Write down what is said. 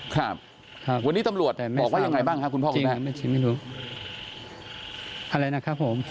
ครับวันนี้ตำรวจบอกว่ายังไงบ้างครับคุณพ่อคุณแม่ไม่รู้อะไรนะครับผม